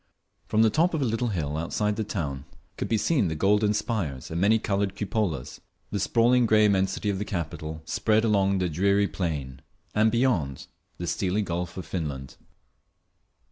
From the top of a little hill outside the town could be seen the golden spires and many coloured cupolas, the sprawling grey immensity of the capital spread along the dreary plain, and beyond, the steely Gulf of Finland.